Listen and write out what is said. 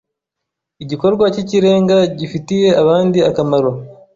igikorwa cy’ikirenga gi fi tiye abandi akamaro